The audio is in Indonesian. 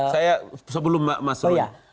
saya sebelum mas ruy